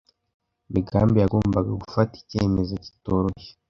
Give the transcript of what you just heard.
Migambi yagombaga gufata icyemezo kitoroshye.